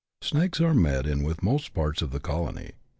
Snakes are met with in most parts of the colony.